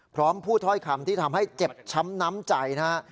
พร้อมพูดถ้อยคำที่ทำให้เจ็บช้ำน้ำใจนะฮะ